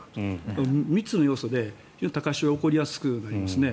３つの要素で高潮が起こりやすくなりますね。